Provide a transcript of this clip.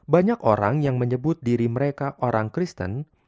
banyak orang yang menyebut diri mereka orang kristen